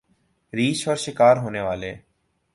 ریچھ اور شکار ہونے والے